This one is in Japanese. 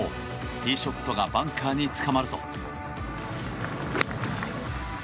ティーショットがバンカーにつかまると。